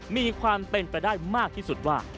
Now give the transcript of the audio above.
มีความเป็นไปได้มากที่สุดว่า